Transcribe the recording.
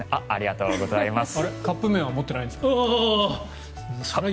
ありがとうございます。